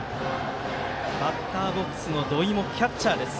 バッターボックスの土井もキャッチャーです。